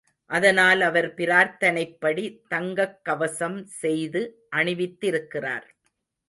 அதனால் அவர் பிரார்த்தனைப்படி தங்கக் கவசம் செய்து அணிவித்திருக்கிறார்.